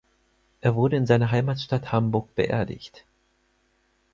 Er wurde in seiner Heimatstadt Hamburg beerdigt.